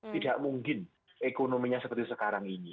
tidak mungkin ekonominya seperti sekarang ini